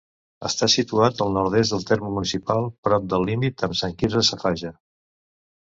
Està situat al nord-est del terme municipal, prop del límit amb Sant Quirze Safaja.